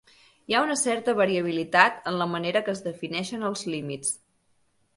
Hi ha una certa variabilitat en la manera que es defineixen els límits.